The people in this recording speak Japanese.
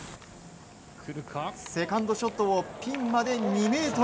セカンドショットをピンまで２ｍ。